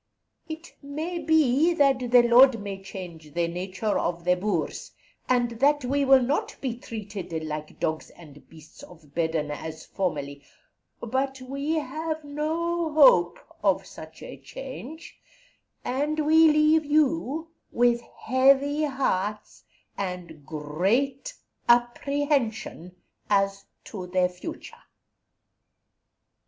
It may be that the Lord may change the nature of the Boers, and that we will not be treated like dogs and beasts of burden as formerly; but we have no hope of such a change, and we leave you with heavy hearts and great apprehension as to the future."